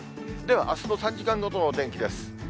では、あすの３時間ごとのお天気です。